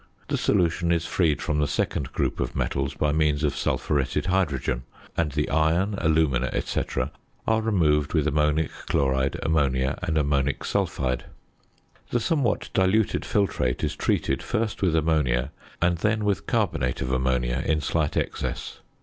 The solution is freed from the second group of metals by means of sulphuretted hydrogen, and the iron, alumina, &c., are removed with ammonic chloride, ammonia, and ammonic sulphide. The somewhat diluted filtrate is treated, first, with ammonia, and then with carbonate of ammonia in slight excess.